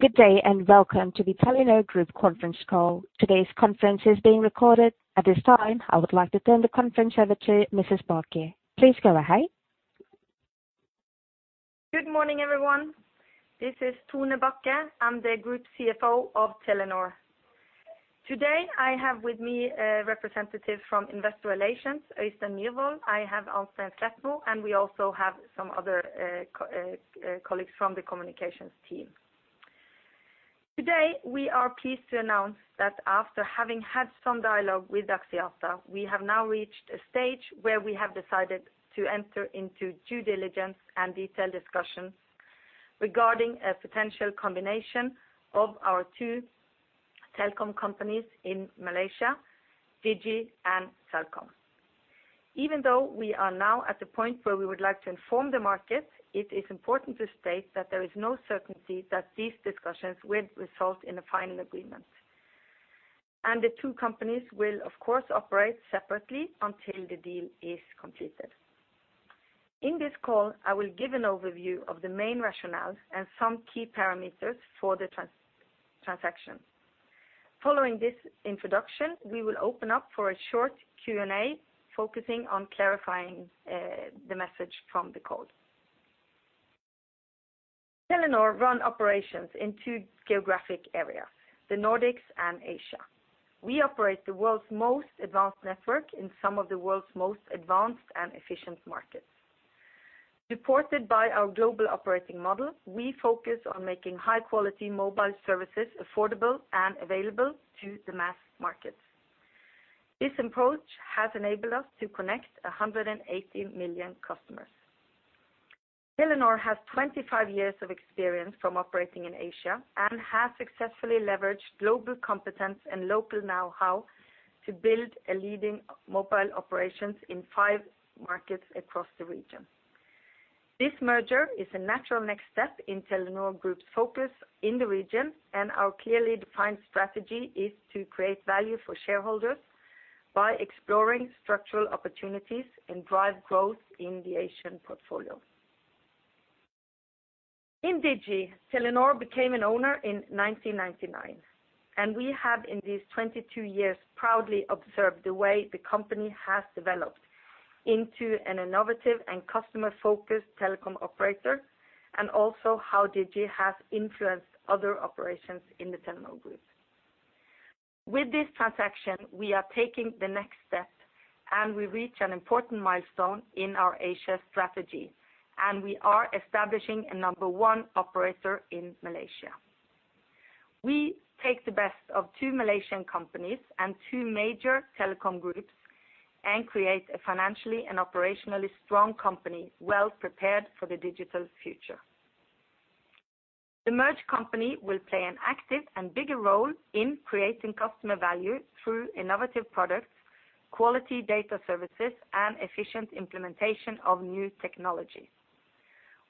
Good day and welcome to the Telenor Group conference call. Today's conference is being recorded. At this time, I would like to turn the conference over to Mrs. Bachke. Please go ahead. Good morning, everyone. This is Tone Bachke. I am the Group CFO of Telenor. Today, I have with me a representative from Investor Relations, Øystein Myrvold. I have [Alf Steinsethmo], and we also have some other colleagues from the communications team. Today, we are pleased to announce that after having had some dialogue with Axiata, we have now reached a stage where we have decided to enter into due diligence and detailed discussions regarding a potential combination of our two telecom companies in Malaysia, Digi and Celcom. Even though we are now at the point where we would like to inform the market, it is important to state that there is no certainty that these discussions will result in a final agreement. The two companies will, of course, operate separately until the deal is completed. In this call, I will give an overview of the main rationale and some key parameters for the transaction. Following this introduction, we will open up for a short Q&A focusing on clarifying the message from the call. Telenor run operations in two geographic areas, the Nordics and Asia. We operate the world's most advanced network in some of the world's most advanced and efficient markets. Supported by our global operating model, we focus on making high-quality mobile services affordable and available to the mass markets. This approach has enabled us to connect 180 million customers. Telenor has 25 years of experience from operating in Asia and has successfully leveraged global competence and local know-how to build a leading mobile operation in five markets across the region. This merger is a natural next step in Telenor Group's focus in the region, and our clearly defined strategy is to create value for shareholders by exploring structural opportunities and drive growth in the Asian portfolio. In Digi, Telenor became an owner in 1999, and we have in these 22 years proudly observed the way the company has developed into an innovative and customer-focused telecom operator, and also how Digi has influenced other operations in the Telenor Group. With this transaction, we are taking the next step, and we reach an important milestone in our Asia strategy, and we are establishing a number one operator in Malaysia. We take the best of two Malaysian companies and two major telecom groups and create a financially and operationally strong company, well prepared for the digital future. The merged company will play an active and bigger role in creating customer value through innovative products, quality data services, and efficient implementation of new technologies.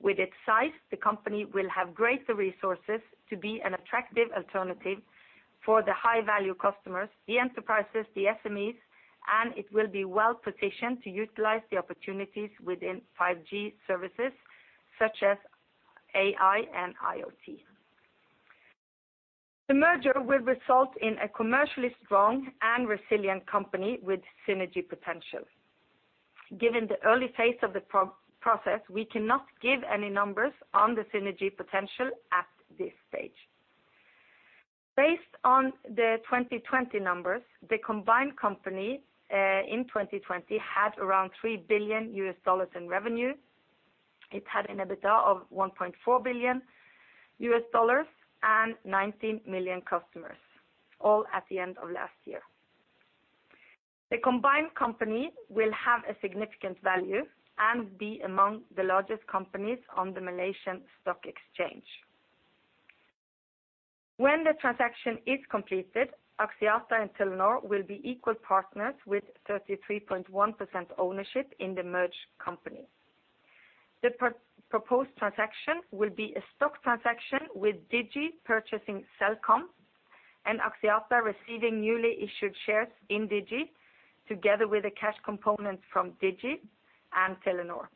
With its size, the company will have greater resources to be an attractive alternative for the high-value customers, the enterprises, the SMEs, and it will be well-positioned to utilize the opportunities within 5G services such as AI and IoT. The merger will result in a commercially strong and resilient company with synergy potential. Given the early phase of the process, we cannot give any numbers on the synergy potential at this stage. Based on the 2020 numbers, the combined company in 2020 had around $3 billion in revenue. It had an EBITDA of $1.4 billion and 19 million customers, all at the end of last year. The combined company will have a significant value and be among the largest companies on the Malaysian stock exchange. When the transaction is completed, Axiata and Telenor will be equal partners with 33.1% ownership in the merged company. The proposed transaction will be a stock transaction with Digi purchasing Celcom and Axiata receiving newly issued shares in Digi together with a cash component from Digi and Telenor.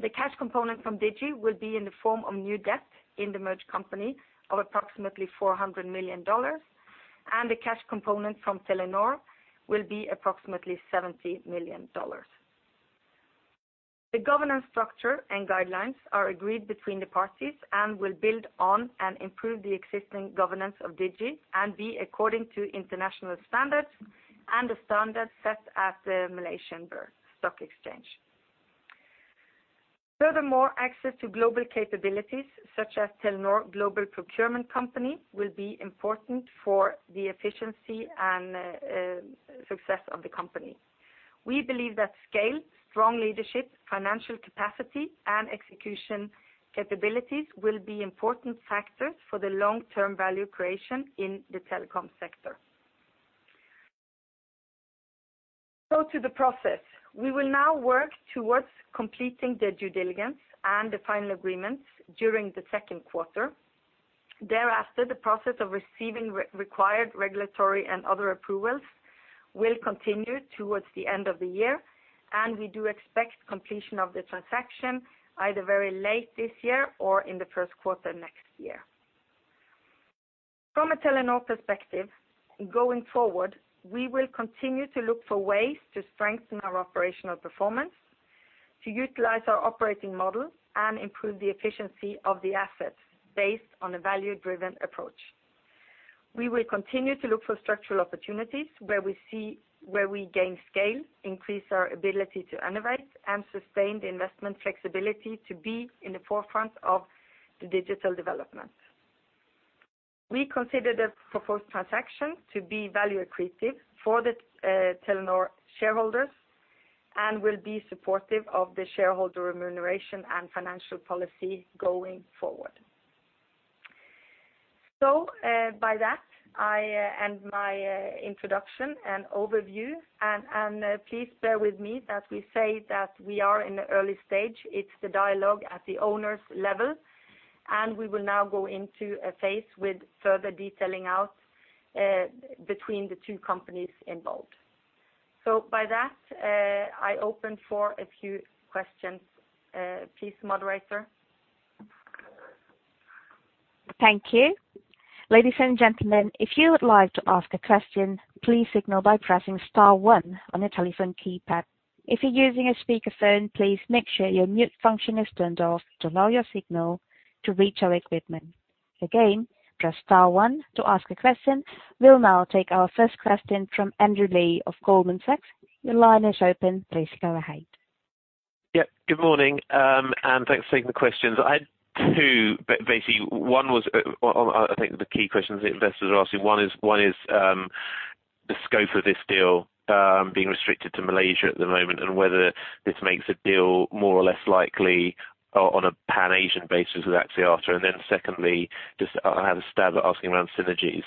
The cash component from Digi will be in the form of new debt in the merged company of approximately $400 million, and the cash component from Telenor will be approximately $70 million. The governance structure and guidelines are agreed between the parties and will build on and improve the existing governance of Digi and be according to international standards and the standards set at the Malaysian Bursa stock exchange. Furthermore, access to global capabilities such as Telenor Global Procurement Company will be important for the efficiency and success of the company. We believe that scale, strong leadership, financial capacity, and execution capabilities will be important factors for the long-term value creation in the telecom sector. To the process. We will now work towards completing the due diligence and the final agreements during the second quarter. Thereafter, the process of receiving required regulatory and other approvals will continue towards the end of the year, and we do expect completion of the transaction either very late this year or in the first quarter next year. From a Telenor perspective, going forward, we will continue to look for ways to strengthen our operational performance, to utilize our operating model and improve the efficiency of the assets based on a value-driven approach. We will continue to look for structural opportunities where we gain scale, increase our ability to innovate and sustain the investment flexibility to be in the forefront of the digital development. We consider the proposed transaction to be value accretive for the Telenor shareholders and will be supportive of the shareholder remuneration and financial policy going forward. By that, I end my introduction and overview. Please bear with me that we say that we are in the early stage. It's the dialogue at the owners' level, and we will now go into a phase with further detailing out between the two companies involved. By that, I open for a few questions. Please, moderator. Thank you. Ladies and gentlemen, if you would like to ask a question, please signal by pressing star one on your telephone keypad. If you're using a speakerphone, please make sure your mute function is turned off to allow your signal to reach our equipment. Again, press star one to ask a question. We'll now take our first question from Andrew Lee of Goldman Sachs. Your line is open. Please go ahead. Yeah. Good morning, thanks for taking the questions. I had two, basically, one was, I think the key questions the investors are asking. One is the scope of this deal being restricted to Malaysia at the moment whether this makes a deal more or less likely on a pan-Asian basis with Axiata. Secondly, just I had a stab at asking around synergies.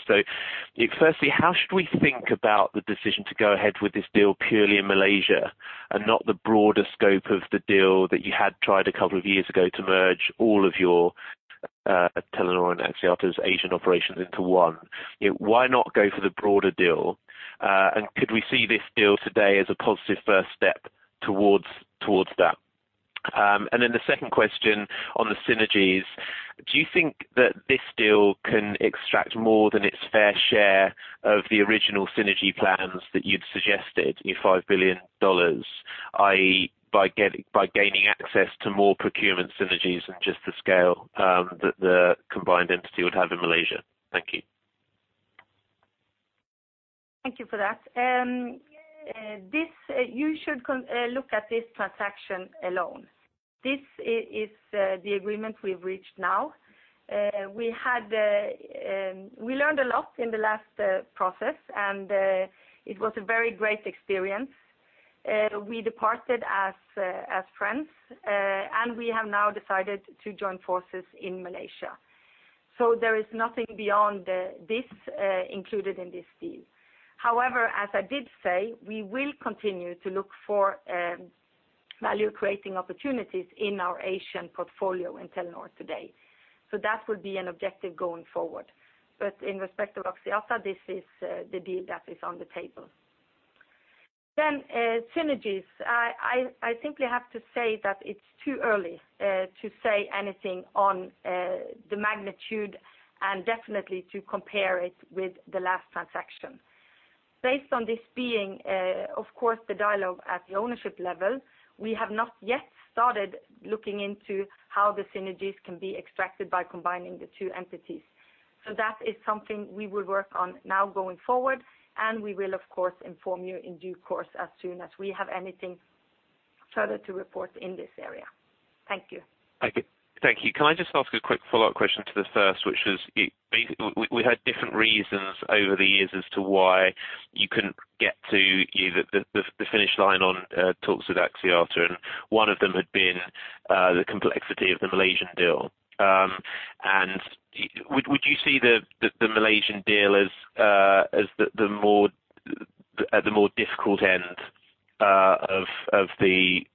Firstly, how should we think about the decision to go ahead with this deal purely in Malaysia and not the broader scope of the deal that you had tried a couple of years ago to merge all of your Telenor and Axiata's Asian operations into one? Why not go for the broader deal? Could we see this deal today as a positive first step towards that? The second question on the synergies. Do you think that this deal can extract more than its fair share of the original synergy plans that you'd suggested in $5 billion, i.e., by gaining access to more procurement synergies than just the scale that the combined entity would have in Malaysia? Thank you. Thank you for that. You should look at this transaction alone. This is the agreement we've reached now. We learned a lot in the last process, and it was a very great experience. We departed as friends, and we have now decided to join forces in Malaysia. There is nothing beyond this included in this deal. However, as I did say, we will continue to look for value-creating opportunities in our Asian portfolio in Telenor today. That will be an objective going forward. In respect of Axiata, this is the deal that is on the table. Synergies. I think we have to say that it's too early to say anything on the magnitude and definitely to compare it with the last transaction. Based on this being, of course, the dialogue at the ownership level, we have not yet started looking into how the synergies can be extracted by combining the two entities. That is something we would work on now going forward, and we will, of course, inform you in due course as soon as we have anything further to report in this area. Thank you. Thank you. Can I just ask a quick follow-up question to the first, which is, we had different reasons over the years as to why you couldn't get to the finish line on talks with Axiata, and one of them had been the complexity of the Malaysian deal. Would you see the Malaysian deal as the more difficult end of the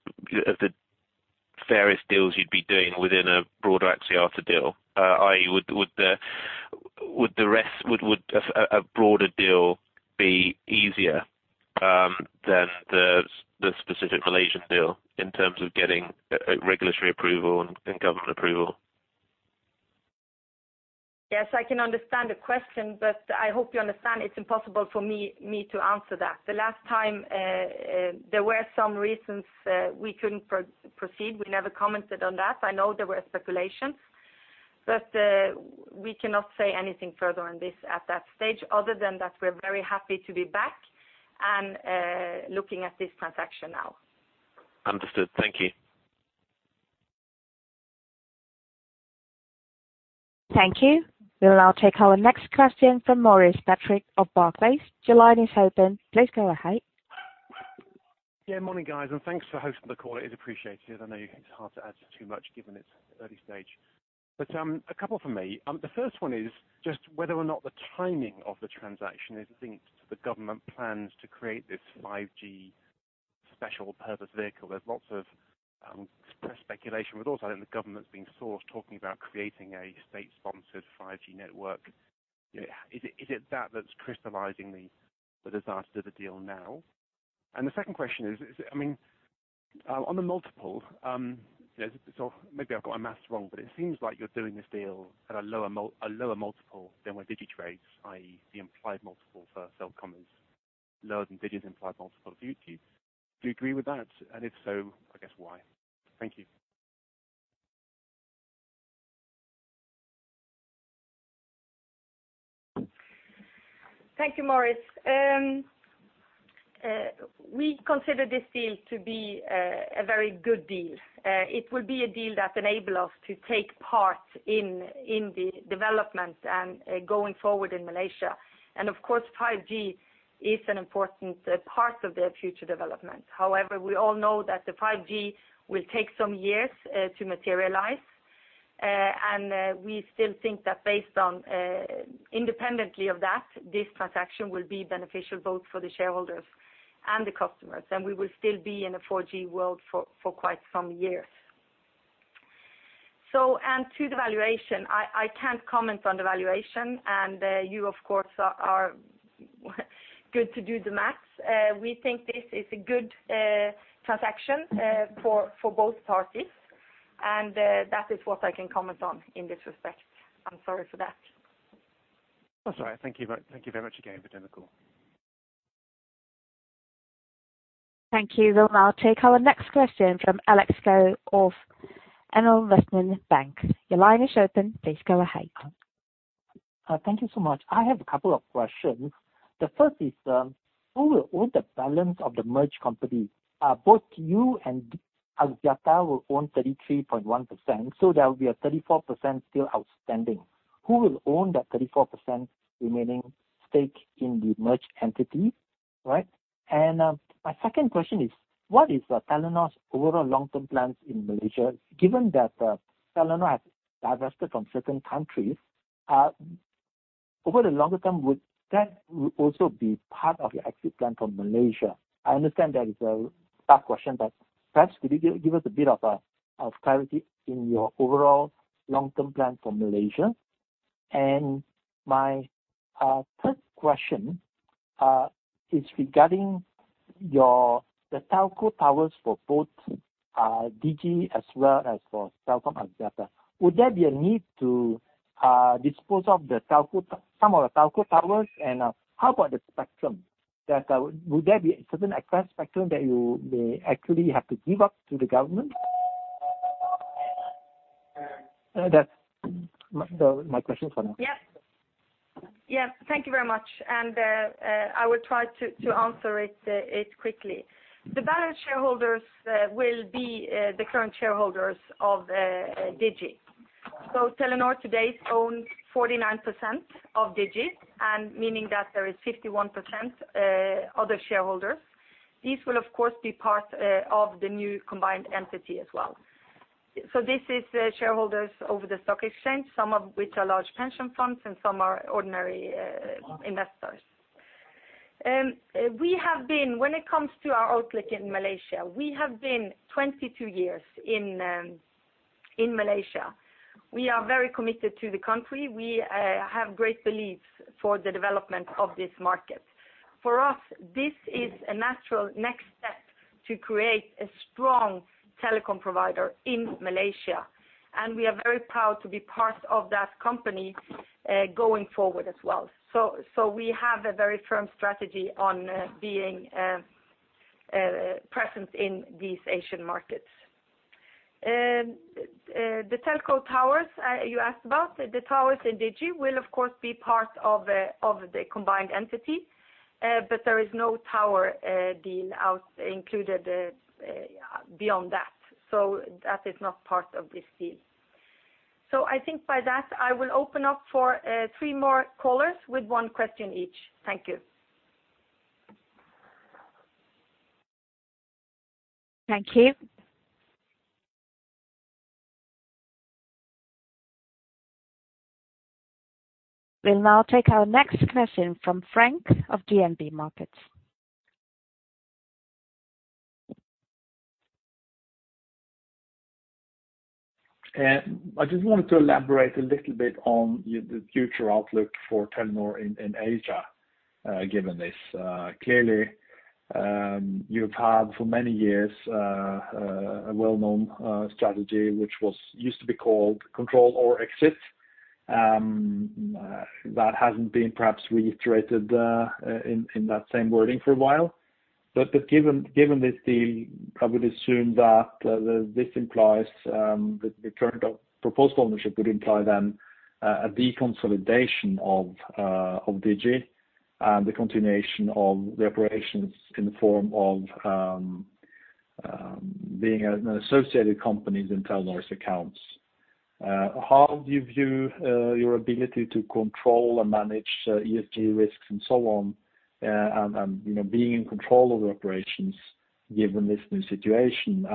various deals you'd be doing within a broader Axiata deal, i.e., would a broader deal be easier than the specific Malaysian deal in terms of getting regulatory approval and government approval? Yes, I can understand the question, but I hope you understand it's impossible for me to answer that. The last time there were some reasons we couldn't proceed. We never commented on that. I know there were speculations, but we cannot say anything further on this at that stage other than that we're very happy to be back and looking at this transaction now. Understood. Thank you. Thank you. We will now take our next question from Maurice Patrick of Barclays. Your line is open. Please go ahead. Yeah, morning, guys. Thanks for hosting the call. It is appreciated. I know it's hard to add too much given it's early stage. A couple from me. The first one is just whether or not the timing of the transaction is linked to the government plans to create this 5G special purpose vehicle. There's lots of press speculation, but also I think the government's been sourced talking about creating a state-sponsored 5G network. Is it that that's crystallizing the [driver] of the deal now? The second question is, on the multiple, maybe I've got my math wrong, but it seems like you're doing this deal at a lower multiple than with Digi trades, i.e., the implied multiple for Celcom is lower than Digi's implied multiple. Do you agree with that? If so, I guess why? Thank you. Thank you, Maurice. We consider this deal to be a very good deal. It will be a deal that enable us to take part in the development and going forward in Malaysia. Of course, 5G is an important part of their future development. However, we all know that the 5G will take some years to materialize. We still think that based on independently of that, this transaction will be beneficial both for the shareholders and the customers, and we will still be in a 4G world for quite some years. To the valuation, I can't comment on the valuation. You, of course, are good to do the math. We think this is a good transaction for both parties, and that is what I can comment on in this respect. I'm sorry for that. That's all right. Thank you very much again for doing the call. Thank you. We'll now take our next question from Alex Goh of AmInvestment Bank. Your line is open. Please go ahead. Thank you so much. I have a couple of questions. The first is, who will own the balance of the merged company? Both you and Axiata will own 33.1%, so there will be a 34% still outstanding. Who will own that 34% remaining stake in the merged entity, right? My second question is, what is Telenor's overall long-term plans in Malaysia, given that Telenor has divested from certain countries. Over the longer term, would that also be part of your exit plan from Malaysia? I understand that is a tough question, perhaps could you give us a bit of clarity in your overall long-term plan for Malaysia? My third question is regarding the telco towers for both Digi as well as for Celcom Axiata. Would there be a need to dispose of some of the telco towers? How about the spectrum? Would there be a certain excess spectrum that you may actually have to give up to the government? That's my questions for now. Yes. Thank you very much. I will try to answer it quickly. The balance shareholders will be the current shareholders of Digi. Telenor today owns 49% of Digi, meaning that there is 51% other shareholders. These will, of course, be part of the new combined entity as well. This is shareholders over the stock exchange, some of which are large pension funds and some are ordinary investors. When it comes to our outlook in Malaysia, we have been 22 years in Malaysia. We are very committed to the country. We have great belief for the development of this market. For us, this is a natural next step to create a strong telecom provider in Malaysia, and we are very proud to be part of that company going forward as well. We have a very firm strategy on being present in these Asian markets. The telco towers you asked about, the towers in Digi will, of course, be part of the combined entity. There is no tower deal included beyond that. That is not part of this deal. I think by that, I will open up for three more callers with one question each. Thank you. Thank you. We'll now take our next question from Frank of DNB Markets. I just wanted to elaborate a little bit on the future outlook for Telenor in Asia, given this. Clearly, you've had for many years a well-known strategy, which used to be called Control or Exit. That hasn't been perhaps reiterated in that same wording for a while. Given this deal, I would assume that this implies that the current proposed ownership would imply then a deconsolidation of Digi and the continuation of the operations in the form of being an associated company in Telenor's accounts. How do you view your ability to control and manage ESG risks and so on, and being in control of the operations? Given this new situation,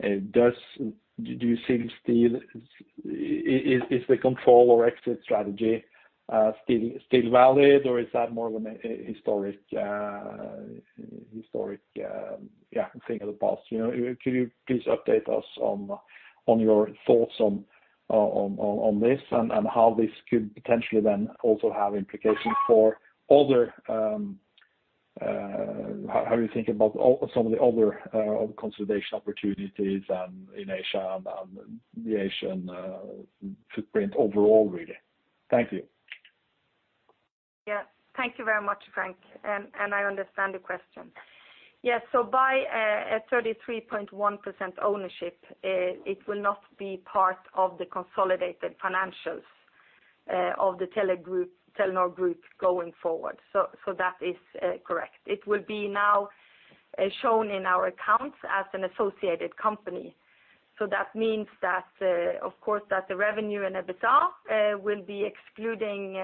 do you think is the Control or Exit strategy still valid, or is that more of a historic thing of the past? Can you please update us on your thoughts on this and how this could potentially then also have implications for How you think about some of the other consolidation opportunities and in the Asian footprint overall, really? Thank you. Thank you very much, Frank, and I understand the question. By a 33.1% ownership, it will not be part of the consolidated financials of the Telenor Group going forward. That is correct. It will be now shown in our accounts as an associated company. That means that, of course, that the revenue and EBITDA will be excluding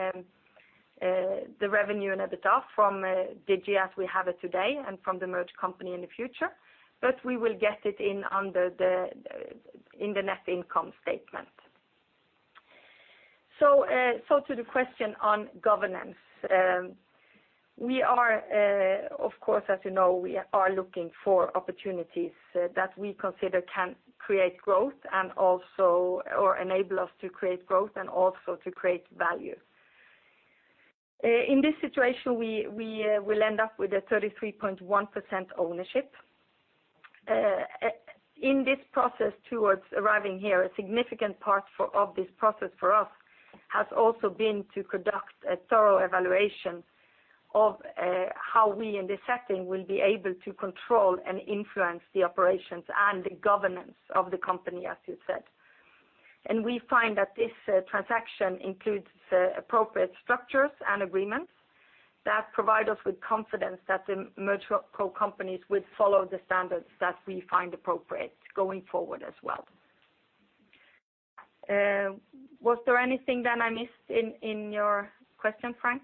the revenue and EBITDA from Digi as we have it today and from the merged company in the future. We will get it in under the net income statement. To the question on governance. We are, of course, as you know, we are looking for opportunities that we consider can create growth and also, or enable us to create growth and also to create value. In this situation, we will end up with a 33.1% ownership. In this process towards arriving here, a significant part of this process for us has also been to conduct a thorough evaluation of how we, in this setting, will be able to control and influence the operations and the governance of the company, as you said. We find that this transaction includes appropriate structures and agreements that provide us with confidence that the merged co-companies would follow the standards that we find appropriate going forward as well. Was there anything that I missed in your question, Frank?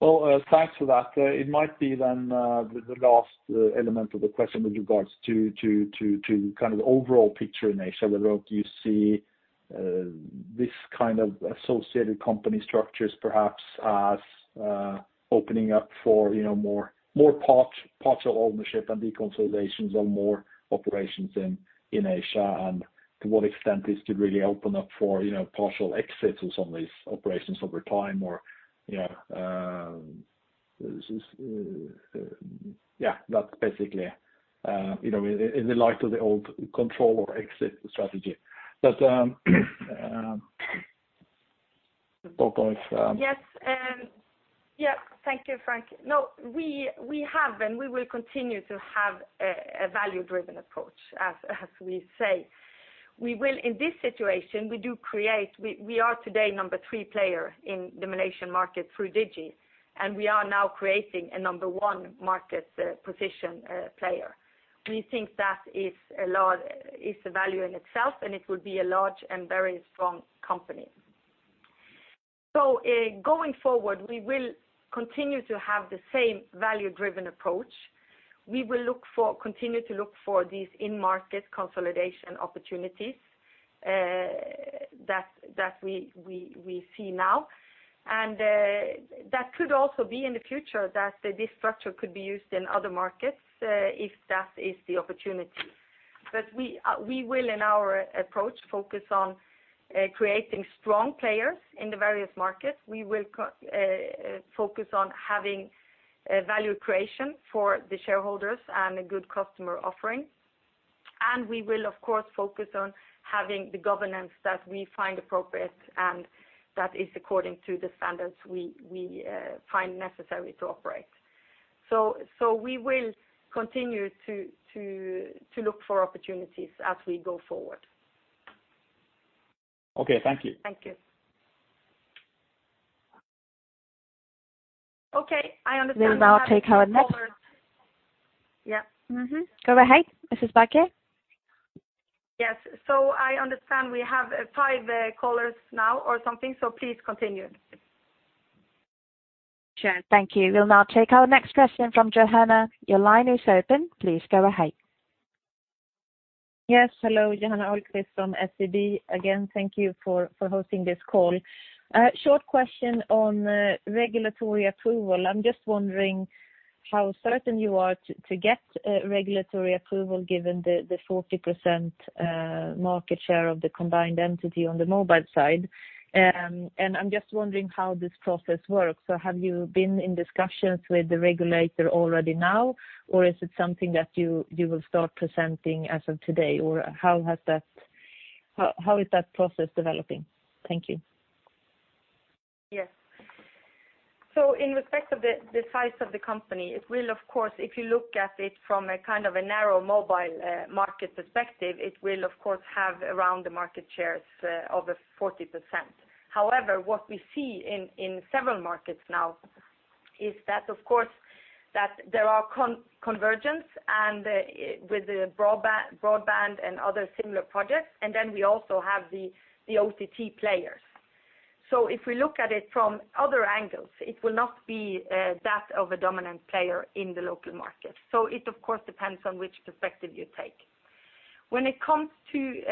Well, thanks for that. It might be then the last element of the question with regards to the overall picture in Asia, whether do you see this kind of associated company structures perhaps as opening up for more partial ownership and deconsolidations or more operations in Asia? To what extent is to really open up for partial exits of some of these operations over time? Yeah, that's basically in the light of the old control or exit strategy. Yes. Thank you, Frank. We have, and we will continue to have a value-driven approach, as we say. In this situation, we are today number three player in the Malaysian market through Digi, and we are now creating a number one market position player. We think that is a value in itself, and it will be a large and very strong company. Going forward, we will continue to have the same value-driven approach. We will continue to look for these in-market consolidation opportunities that we see now. That could also be in the future that this structure could be used in other markets if that is the opportunity. We will, in our approach, focus on creating strong players in the various markets. We will focus on having value creation for the shareholders and a good customer offering. We will, of course, focus on having the governance that we find appropriate and that is according to the standards we find necessary to operate. We will continue to look for opportunities as we go forward. Okay. Thank you. Thank you. Okay, I understand we have callers. We'll now take our next. Yeah. Go ahead, Mrs. Bachke. Yes. I understand we have five callers now or something, please continue. Sure. Thank you. We'll now take our next question from Johanna. Your line is open. Please go ahead. Yes. Hello, Johanna Ahlqvist from SEB. Again, thank you for hosting this call. Short question on regulatory approval. I'm just wondering how certain you are to get regulatory approval given the 40% market share of the combined entity on the mobile side? I'm just wondering how this process works? Have you been in discussions with the regulator already now, or is it something that you will start presenting as of today, or how is that process developing? Thank you. Yes. In respect of the size of the company, it will, of course, if you look at it from a kind of a narrow mobile market perspective, it will of course have around the market shares of 40%. However, what we see in several markets now is that, of course, that there are convergence and with the broadband and other similar projects, and then we also have the OTT players. If we look at it from other angles, it will not be that of a dominant player in the local market. It, of course, depends on which perspective you take. When it comes to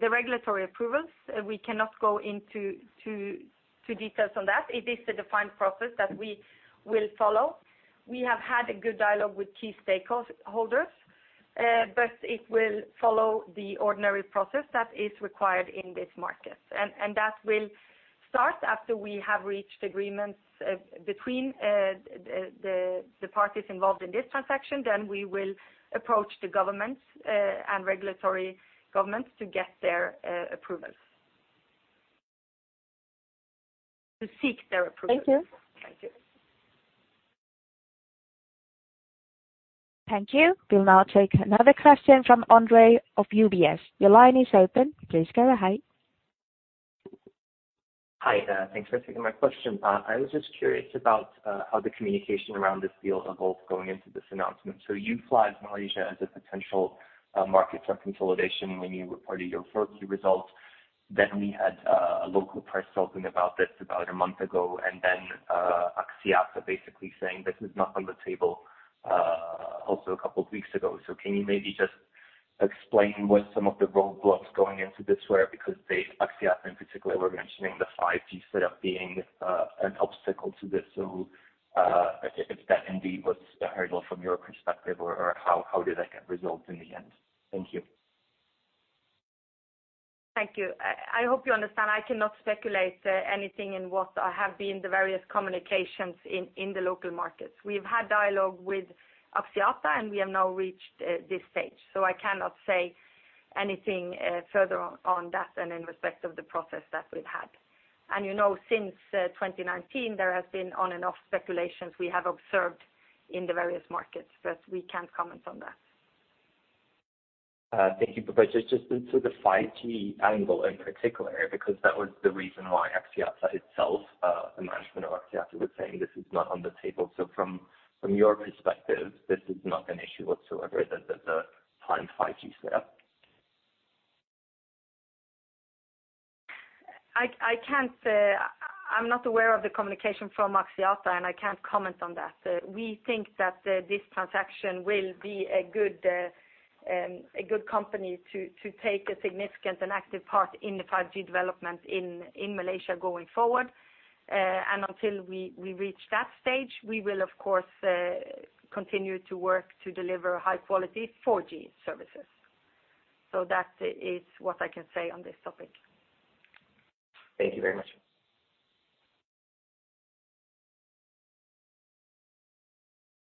the regulatory approvals, we cannot go into details on that. It is the defined process that we will follow. We have had a good dialogue with key stakeholders, but it will follow the ordinary process that is required in this market. That will start after we have reached agreements between the parties involved in this transaction. We will approach the governments and regulatory governments to get their approvals. To seek their approval. Thank you. Thank you. Thank you. We will now take another question from Andre of UBS. Your line is open. Please go ahead. Hi there. Thanks for taking my question. I was just curious about how the communication around this deal evolved going into this announcement. You flagged Malaysia as a potential market for consolidation when you reported your first Q results. We had a local press talking about this about a month ago, and then Axiata basically saying this is not on the table, also a couple of weeks ago. Can you maybe just explain what some of the roadblocks going into this were, because they, Axiata in particular, were mentioning the 5G setup being an obstacle to this. If that indeed was the hurdle from your perspective, or how did that get resolved in the end? Thank you. Thank you. I hope you understand I cannot speculate anything in what have been the various communications in the local markets. We've had dialogue with Axiata, and we have now reached this stage, so I cannot say anything further on that and in respect of the process that we've had. You know since 2019 there has been on-and-off speculations we have observed in the various markets, but we can't comment on that. Thank you. Just into the 5G angle in particular, because that was the reason why Axiata itself, the management of Axiata, was saying this is not on the table. From your perspective, this is not an issue whatsoever, the planned 5G set up? I'm not aware of the communication from Axiata, and I can't comment on that. We think that this transaction will be a good company to take a significant and active part in the 5G development in Malaysia going forward. Until we reach that stage, we will of course continue to work to deliver high-quality 4G services. That is what I can say on this topic. Thank you very much.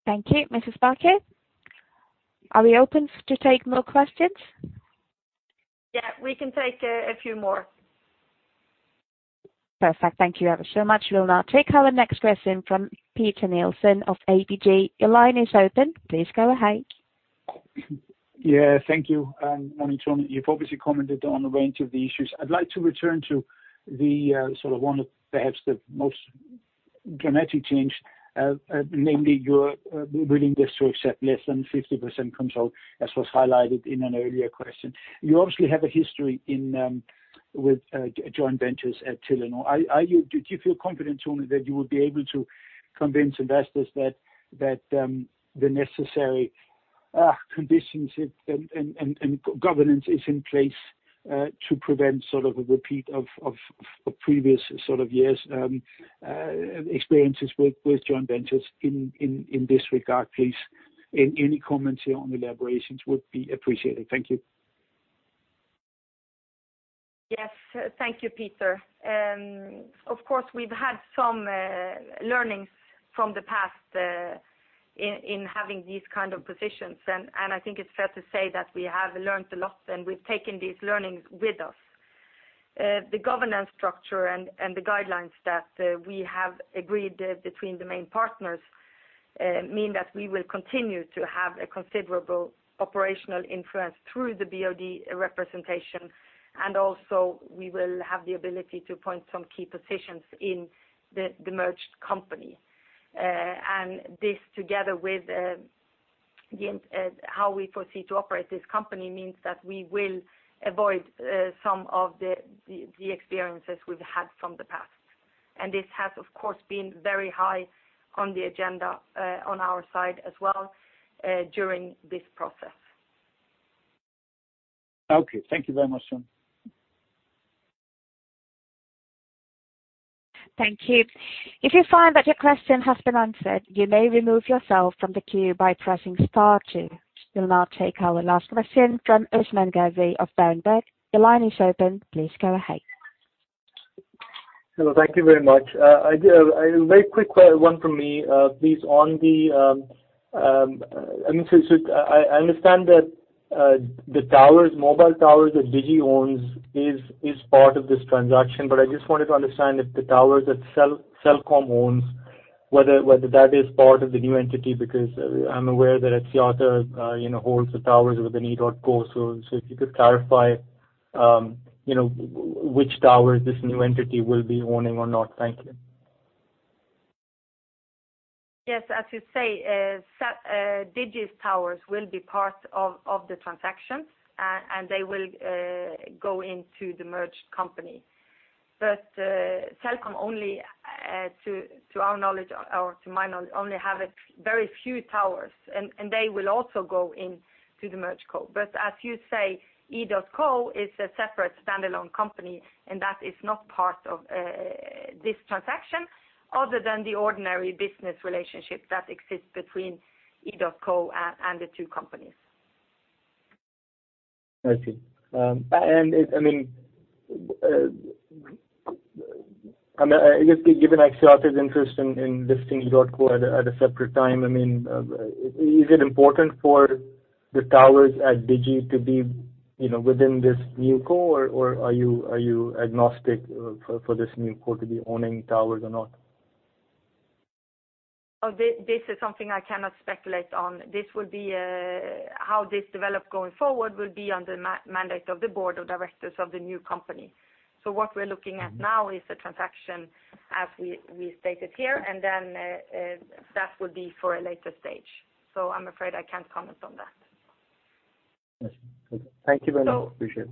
Thank you. Mrs. Bachke, are we open to take more questions? Yeah, we can take a few more. Perfect. Thank you ever so much. We'll now take our next question from Peter Nielsen of ABG. Your line is open. Please go ahead. Yeah, thank you. Morning, Tone. You've obviously commented on a range of the issues. I'd like to return to the one that perhaps the most dramatic change, namely your willingness to accept less than 50% control, as was highlighted in an earlier question. You obviously have a history with joint ventures at Telenor. Do you feel confident, Tone, that you will be able to convince investors that the necessary conditions and governance is in place to prevent a repeat of previous years' experiences with joint ventures in this regard, please? Any comments here on elaborations would be appreciated. Thank you. Yes. Thank you, Peter. Of course, we've had some learnings from the past in having these kind of positions, and I think it's fair to say that we have learnt a lot, and we've taken these learnings with us. The governance structure and the guidelines that we have agreed between the main partners mean that we will continue to have a considerable operational influence through the BOD representation, and also we will have the ability to appoint some key positions in the merged company. This, together with how we foresee to operate this company, means that we will avoid some of the experiences we've had from the past. This has, of course, been very high on the agenda on our side as well during this process. Okay. Thank you very much, Tone. Thank you. If you find that your question has been answered, you may remove yourself from the queue by pressing star two. We'll now take our last question from Usman Ghazi of Berenberg. Your line is open. Please go ahead. Hello. Thank you very much. A very quick one from me, please. I understand that the mobile towers that Digi owns is part of this transaction, but I just wanted to understand if the towers that Celcom owns, whether that is part of the new entity, because I'm aware that Axiata holds the towers within EDOTCO. if you could clarify which towers this new entity will be owning or not. Thank you. Yes, as you say, Digi's towers will be part of the transaction, and they will go into the merged company. Celcom, to my knowledge, only have a very few towers, and they will also go into the merged co. As you say, EDOTCO is a separate standalone company, and that is not part of this transaction other than the ordinary business relationship that exists between EDOTCO and the two companies. I see. Given Axiata's interest in listing EDOTCO at a separate time, is it important for the towers at Digi to be within this new co, or are you agnostic for this new co to be owning towers or not? This is something I cannot speculate on. How this develops going forward will be under mandate of the Board of Directors of the new company. What we're looking at now is the transaction as we stated here, and then that would be for a later stage. I'm afraid I can't comment on that. Yes. Okay. Thank you very much. Appreciate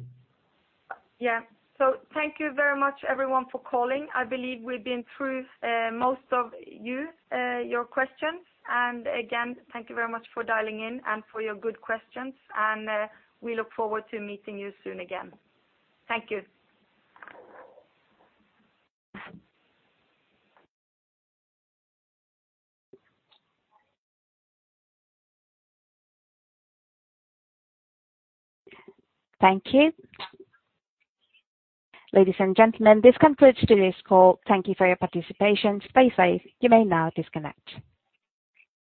it. Yeah. Thank you very much, everyone, for calling. I believe we've been through most of your questions. Again, thank you very much for dialing in and for your good questions, and we look forward to meeting you soon again. Thank you. Thank you. Ladies and gentlemen, this concludes today's call. Thank you for your participation. Stay safe. You may now disconnect.